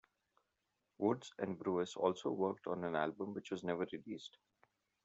Woods and Brewis also worked on an album which was never released.